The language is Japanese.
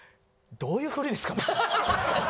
どういうフリですか？